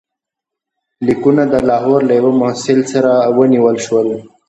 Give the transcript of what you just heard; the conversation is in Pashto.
لیکونه د لاهور له یوه محصل سره ونیول شول.